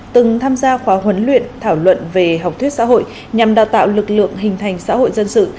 từng tham gia khóa huấn luyện thảo luận về học thuyết xã hội nhằm đào tạo lực lượng hình thành xã hội dân sự